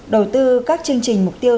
đầu tư các chương trình mục tiêu